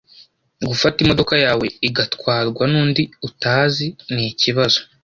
gufata imodoka yawe igatwadwa nundi utazi nikibazo